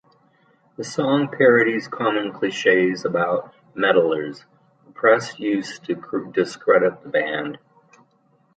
The song parodies common cliches about metallers, the press used to discredit the band.